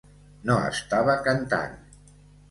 No estava cantant.